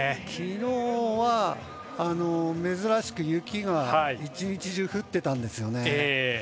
きのうは珍しく雪が一日中、降ってたんですよね。